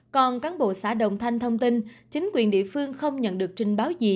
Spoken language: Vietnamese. còn cán bộ xã đồng thanh thông tin chính quyền địa phương không nhận được trình báo gì